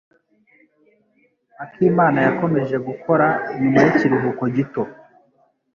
akimana yakomeje gukora nyuma yikiruhuko gito.